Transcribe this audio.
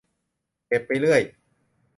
เก็บไปเรื่อย